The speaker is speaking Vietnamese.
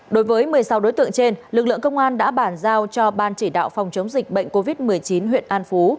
đối với một mươi sáu đối tượng trên lực lượng công an đã bản giao cho ban chỉ đạo phòng chống dịch bệnh covid một mươi chín huyện an phú